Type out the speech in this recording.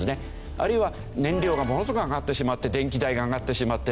あるいは燃料がものすごく上がってしまって電気代が上がってしまってる。